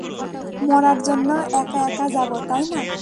মরার জন্য একা একা যাবো, তাই না?